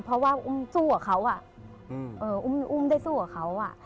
เพราะว่าอุ้มสู้กับเขาอุ้มได้สู้กับเขา